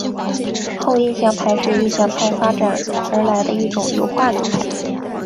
后印象派是印象派发展而来的一种油画流派。